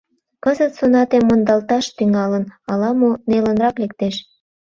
Кызыт сонате мондалташ тӱҥалын ала-мо — нелынрак лектеш.